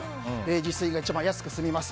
自炊が一番安く済みます。